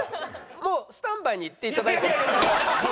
もうスタンバイに行っていただいて。